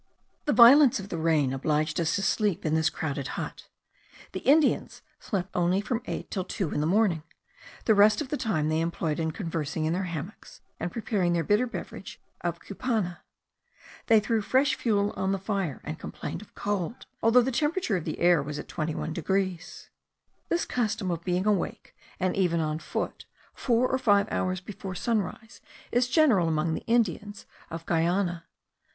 The violence of the rain obliged us to sleep in this crowded hut. The Indians slept only from eight till two in the morning; the rest of the time they employed in conversing in their hammocks, and preparing their bitter beverage of cupana. They threw fresh fuel on the fire, and complained of cold, although the temperature of the air was at 21 degrees. This custom of being awake, and even on foot, four or five hours before sunrise, is general among the Indians of Guiana.